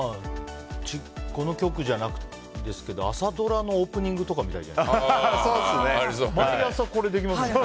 この局じゃないですけど朝ドラのオープニングとかみたいじゃないですか。